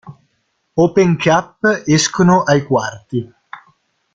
Open Cup escono ai quarti.